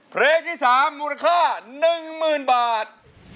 เพลงที่๓มูลค่า๑๐๐๐บาท